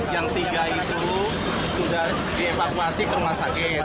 yang tiga itu sudah dievakuasi ke rumah sakit